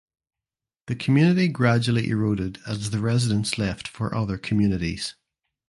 The community gradually eroded as the residents left for other communities.